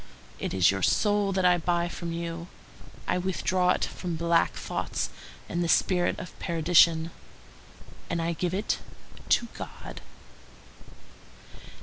It is your soul that I buy from you; I withdraw it from black thoughts and the spirit of perdition, and I give it to God."